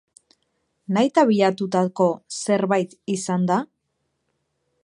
Nahita bilatutako zerbait izan da?